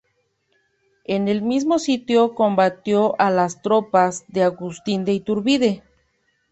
En el mismo sitio combatió a las tropas de Agustín de Iturbide.